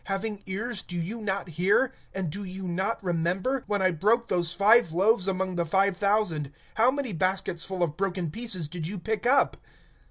And having ears, do ye not hear? And do ye not remember? (19)When I broke the five loaves among the five thousand, how many baskets full of fragments did ye take up?